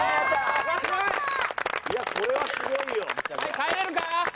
帰れるか？